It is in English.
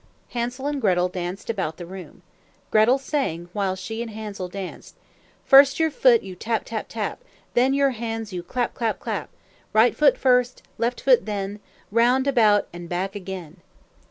Hansel and Gretel danced about the room. Gretel sang, while she and Hansel danced, "First your foot you tap, tap, tap, Then your hands you clap, clap, clap; Right foot first, left foot then, Round about and back again."